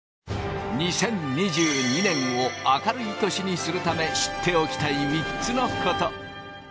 ２０２２年を明るい年にするため知っておきたい３つのこと！